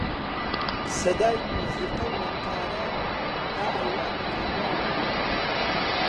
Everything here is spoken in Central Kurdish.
سەدای مۆزیقە و نەققارە تا ئەیوانی کەیوان بوو